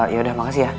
yaudah makasih ya